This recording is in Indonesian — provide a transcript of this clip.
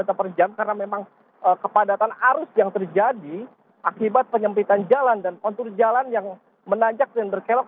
karena memang kepadatan arus yang terjadi akibat penyempitan jalan dan kontur jalan yang menanjak dan berkelok